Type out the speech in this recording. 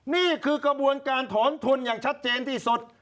นี่คือกระบวนการถอนทุนอย่างชัดเจนที่สุด